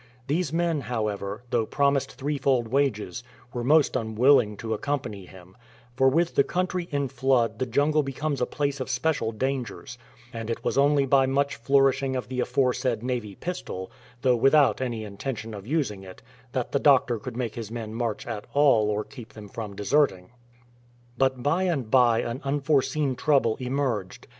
These men, however, though promised threefold wages, were most unwilling to accompany him, for with the country in flood the jungle becomes a place of special dangers ; and it was only by much flourishing of the afore said Navy pistol, though without any intention of using it, that the doctor could make his men march at all or keep them from deserting. But by and by an unforeseen trouble emerged.